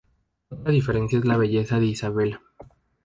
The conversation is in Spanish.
Otra diferencia es la belleza de Isabel.